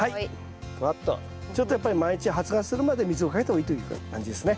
ちょっとやっぱり毎日発芽するまで水をかけた方がいいという感じですね。